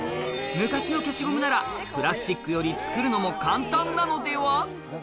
昔の消しゴムなら、プラスチックより作るのも簡単なのでは？